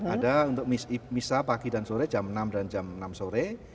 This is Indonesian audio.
ada untuk misa pagi dan sore jam enam dan jam enam sore